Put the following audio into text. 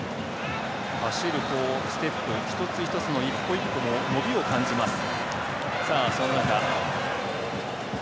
走るステップ一つ一つ一歩一歩も伸びを感じます。